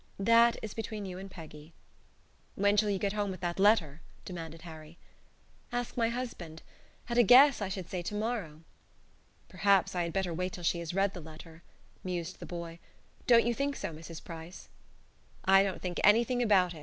"That is between you and Peggy." "When shall you get home with that letter?" demanded Harry. "Ask my husband. At a guess, I should say tomorrow." "Perhaps I had better wait until she has read the letter," mused the boy. "Don't you think so, Mrs. Price?" "I don't think anything about it.